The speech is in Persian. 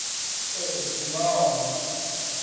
اِعتبار